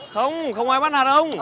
không không ai bắt nạt ông